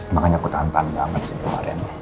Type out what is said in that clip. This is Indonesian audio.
makanya aku tahan tahan banget sih kemarin